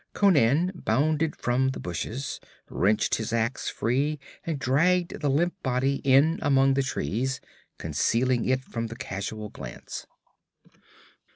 Conan bounded from the bushes, wrenched his ax free and dragged the limp body in among the trees, concealing it from the casual glance.